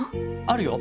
あるよ。